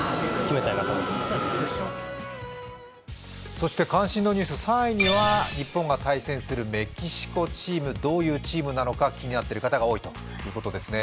そして関心度ニュース、３位には日本が対戦するメキシコチームどういうチームなのか、気になっている方が多いということですね。